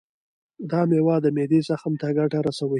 دا میوه د معدې زخم ته ګټه رسوي.